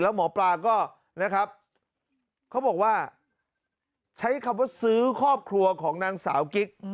หมอปลาก็นะครับเขาบอกว่าใช้คำว่าซื้อครอบครัวของนางสาวกิ๊ก